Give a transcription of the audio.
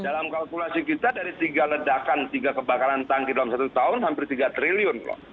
dalam kalkulasi kita dari tiga ledakan tiga kebakaran tangki dalam satu tahun hampir tiga triliun